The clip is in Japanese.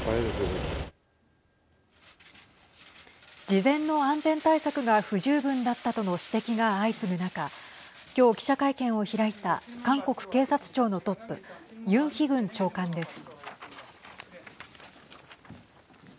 事前の安全対策が不十分だったとの指摘が相次ぐ中今日記者会見を開いた韓国警察庁のトップユン・ヒグン長官です。